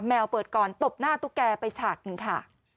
แววเปิดก่อนตบหน้าตุ๊กแกไปฉากหนึ่งค่ะ